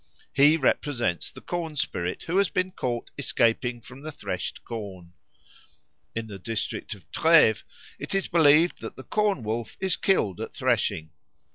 He represents the corn spirit who has been caught escaping from the threshed corn. In the district of Treves it is believed that the Corn wolf is killed at threshing.